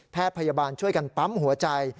พยาบาลช่วยกันปั๊มหัวใจ